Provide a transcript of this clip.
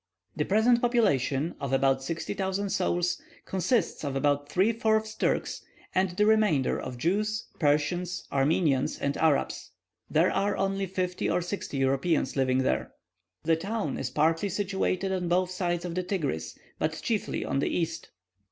The present population, of about 60,000 souls, consists of about three fourths Turks, and the remainder of Jews, Persians, Armenians, and Arabs. There are only fifty or sixty Europeans living there. The town is partly situated on both sides of the Tigris, but chiefly on the east.